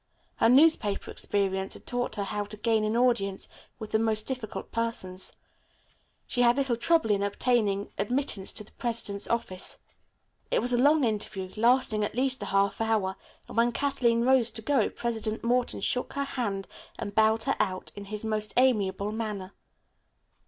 Her newspaper experience had taught her how to gain an audience with the most difficult persons. She had little trouble in obtaining admittance to the president's private office. It was a long interview, lasting, at least, a half hour, and when Kathleen rose to go President Morton shook her hand and bowed her out in his most amiable manner.